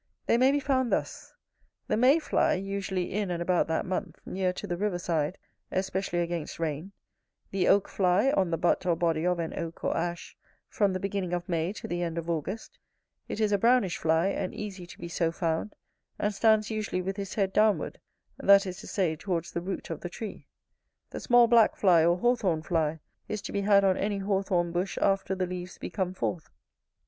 They may be found thus: the May fly, usually in and about that month, near to the river side, especially against rain: the Oak fly, on the butt or body of an oak or ash, from the beginning of May to the end of August; it is a brownish fly and easy to be so found, and stands usually with his head downward, that is to say, towards the root of the tree: the small black fly, or Hawthorn fly, is to be had on any hawthorn bush after the leaves be come forth.